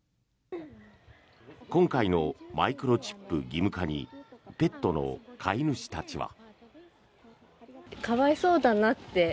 今回のマイクロチップ義務化にペットの飼い主たちは。